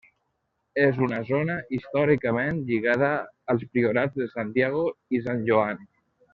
És una zona històricament lligada als priorats de Santiago i Sant Joan.